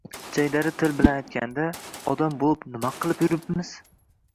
Jaydari til bilan aytganda... odam bo‘lib nima qilib yuribmiz?